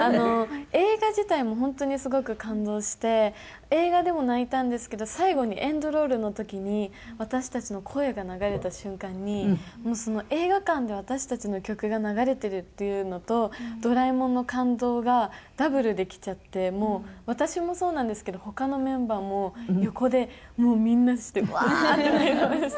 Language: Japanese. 映画自体も本当にすごく感動して映画でも泣いたんですけど最後にエンドロールの時に私たちの声が流れた瞬間に映画館で私たちの曲が流れてるっていうのと『ドラえもん』の感動がダブルできちゃってもう私もそうなんですけど他のメンバーも横でみんなしてうわーって泣いてました。